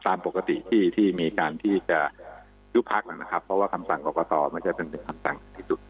ตามปกติที่มีการที่จะยุบพักนะครับเพราะว่าคำสั่งกรกตไม่ใช่เป็นหนึ่งคำสั่งที่สุด